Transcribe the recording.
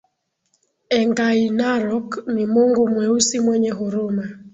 Engai Narok ni Mungu Mweusi mwenye huruma